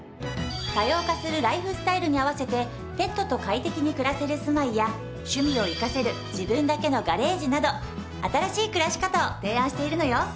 多様化するライフスタイルに合わせてペットと快適に暮らせる住まいや趣味を生かせる自分だけのガレージなど新しい暮らし方を提案しているのよ。